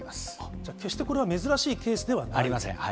じゃあ決してこれは珍しいケありません。